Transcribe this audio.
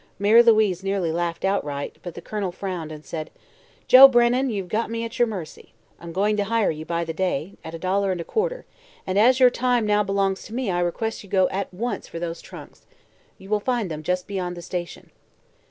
Mary Louise nearly laughed outright, but the Colonel frowned and said: "Joe Brennan, you've got me at your mercy. I'm going to hire you by the day, at a dollar and a quarter, and as your time now belongs to me I request you to go at once for those trunks. You will find them just beyond the station."